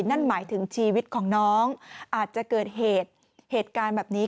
นั่นหมายถึงชีวิตของน้องอาจจะเกิดเหตุการณ์แบบนี้